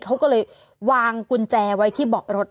เขาก็เลยวางกุญแจไว้ที่เบาะรถ